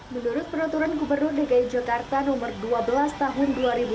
menurut peraturan gubernur dki jakarta nomor dua belas tahun dua ribu dua puluh